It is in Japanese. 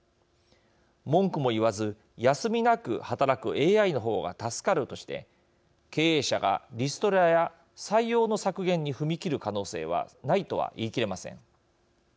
文句も言わず、休みなく働くＡＩの方が助かるとして経営者がリストラや採用の削減に踏み切る可能性はないとは言い切れません。